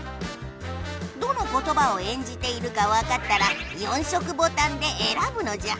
どの言ばを演じているかわかったら４色ボタンでえらぶのじゃ。